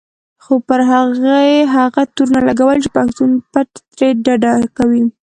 خو پر هغې هغه تورونه لګول چې پښتون پت ترې ډډه کوي.